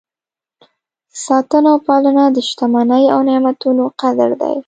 ساتنه او پالنه د شتمنۍ او نعمتونو قدر دی.